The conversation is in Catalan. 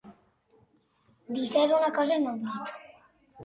Deixar una cosa en oblit.